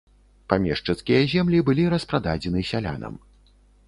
Памешчыцкія землі былі распрададзены сялянам.